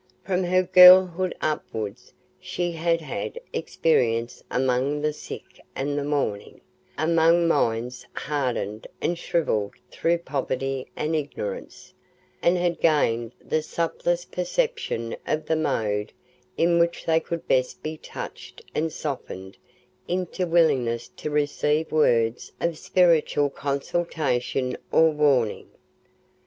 From her girlhood upwards she had had experience among the sick and the mourning, among minds hardened and shrivelled through poverty and ignorance, and had gained the subtlest perception of the mode in which they could best be touched and softened into willingness to receive words of spiritual consolation or warning.